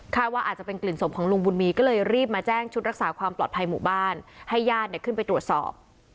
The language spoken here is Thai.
ว่าอาจจะเป็นกลิ่นศพของลุงบุญมีก็เลยรีบมาแจ้งชุดรักษาความปลอดภัยหมู่บ้านให้ญาติเนี่ยขึ้นไปตรวจสอบ